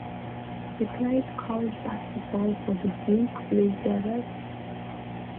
He played college basketball for the Duke Blue Devils.